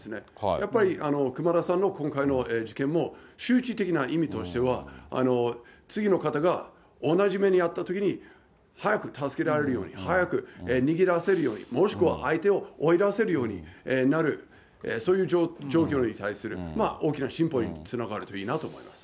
やっぱり熊田さんの今回の事件も、周知的な意味としては、次の方が同じ目に遭ったときに、早く助けられるように、早く逃げ出せるように、もしくは相手を追い出せるようになる、そういう状況に対する大きな進歩につながるといいなと思います。